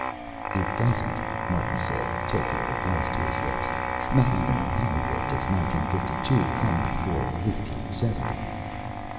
"It doesn't," Martin said, tilting the glass to his lips. "Not even in Hollywood does nineteen fifty two come before fifteen seventy."